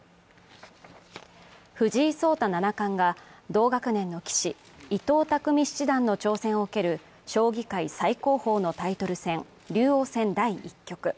藤井聡太七冠が同学年の棋士、伊藤匠七段の挑戦を受ける将棋界最高峰のタイトル戦、竜王戦第１局。